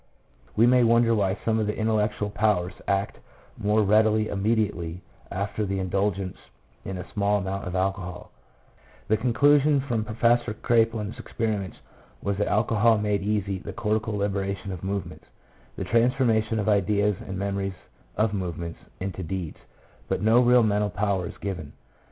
We may wonder why some of the intellectual powers act more readily immediately after the indulgence in a small amount of alcohol; the con clusion from Professor Kraepelin's experiments was that alcohol made easy the cortical liberation of movements, the transformation of ideas and memories of movements into deeds, but no real mental power is given.